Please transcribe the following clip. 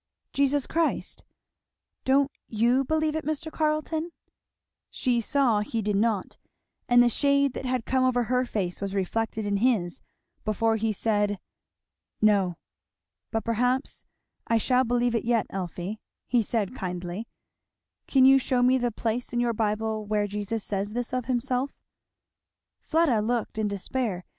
"Jesus Christ. Don't you believe it, Mr. Carleton?" She saw he did not, and the shade that had come over her face was reflected in his before he said "No." "But perhaps I shall believe it yet, Elfie," he said kindly. "Can you shew me the place in your Bible where Jesus says this of himself?" Fleda looked in despair.